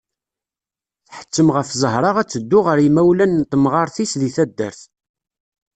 Tḥettem ɣef Zahra ad teddu ɣer yimawlan n temɣart-is di taddart.